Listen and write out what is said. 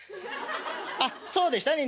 「あっそうでしたね